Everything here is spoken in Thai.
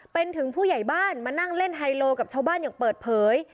เป็นถึงผู้ใหญ่บ้านมานั่งเล่นไฮโลกับชาวบ้านอย่างเปิดเผย